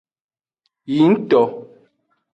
Eyingto.